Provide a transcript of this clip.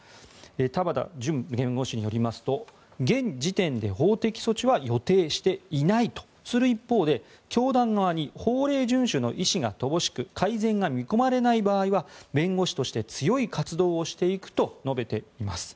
田畑淳弁護士によりますと現時点で法的措置は予定していないとする一方で教団側に法令順守の意思が乏しく改善が見込まれない場合は弁護士として強い活動をしていくと述べています。